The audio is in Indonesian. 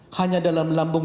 hanya dalam lambung